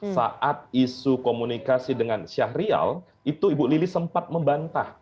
saat isu komunikasi dengan syahrial itu ibu lili sempat membantah